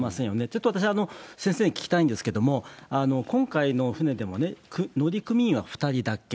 ちょっと私、先生に聞きたいんですけど、今回の船でもね、乗組員は２人だけ。